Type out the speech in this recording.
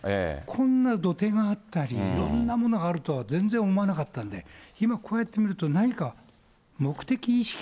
こんな土手があったり、いろんなものがあるとは全然思わなかったんで、今、こうやって見ると、行かない。